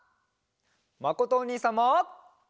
まことおにいさんも。